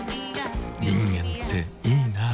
人間っていいナ。